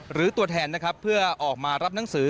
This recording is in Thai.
ตัวแทนนะครับเพื่อออกมารับหนังสือ